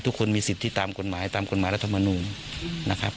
ทุกคนมีสิทธิตามกฎหมายตามกฎหมายรัฐมนูลนะครับ